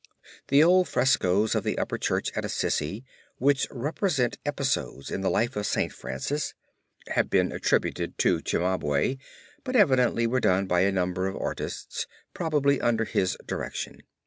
The old frescoes of the upper church at Assisi which represent episodes in the life of St. Francis have also been attributed to Cimabue, but evidently were done by a number of artists probably under his direction.